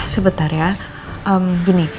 sebentar ya em gini